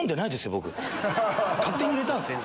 勝手に入れたんですね。